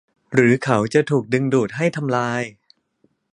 หรือเขาจะถูกดึงดูดให้ทำลาย